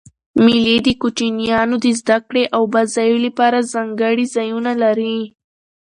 مېلې د کوچنيانو د زدهکړي او بازيو له پاره ځانګړي ځایونه لري.